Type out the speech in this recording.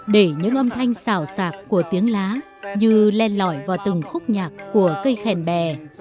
để những âm thanh xào xạc của tiếng lá như len lõi vào từng khúc nhạc của cây khèn bè